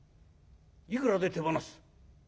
「いくらで手放す？」。